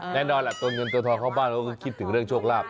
แน่นอนแหละตัวเงินตัวทองเข้าบ้านเขาก็คิดถึงเรื่องโชคลาภ